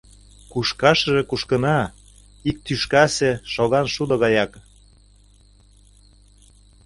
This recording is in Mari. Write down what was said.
Кушкашыже кушкынна ик тӱшкасе шоган шудо гаяк.